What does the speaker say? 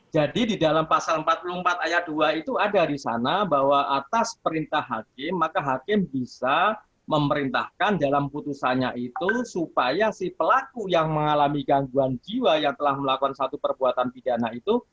jadi di dalam pasal empat puluh empat ayat dua itu ada di sana bahwa atas perintah hakim maka hakim bisa memerintahkan dalam putusannya itu supaya si pelaku yang mengalami gangguan jiwa yang telah melakukan satu perbuatan pidana itu